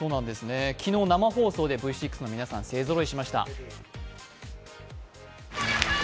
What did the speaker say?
昨日生放送でＶ６の皆さんが勢ぞろいしました。